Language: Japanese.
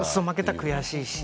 悔しいし。